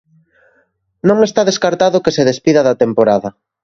Non está descartado que se despida da temporada.